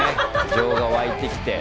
情が湧いてきて。